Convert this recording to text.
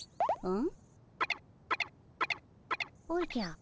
ん！